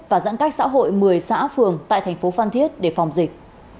và giãn cách xã hội một mươi xã phường tại thành phố phan thiết để phòng dịch